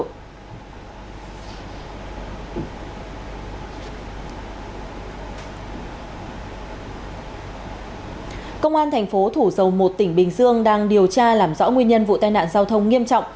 công an thành phố thủ dầu một tỉnh bình dương đang điều tra làm rõ nguyên nhân vụ tai nạn giao thông nghiêm trọng